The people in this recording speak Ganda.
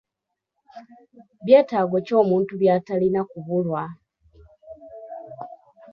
Byetaago ki omuntu by'atalina kubulwa?